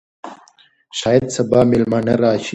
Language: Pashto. شاید سبا مېلمانه راشي.